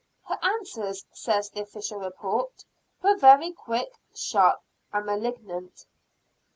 "Her answers," says the official report, "were very quick, sharp and malignant."